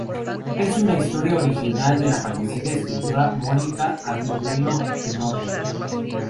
Es una historia original de la fallecida escritora Mónica Agudelo Tenorio.